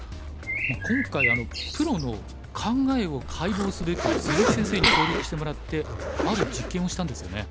今回プロの考えを解剖すべく鈴木先生に協力してもらってある実験をしたんですよね。